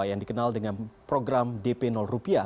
yang dikenal dengan program dp rupiah